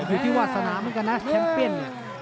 อยู่ที่วาสนามันกันนะแชมป์เบี้ยน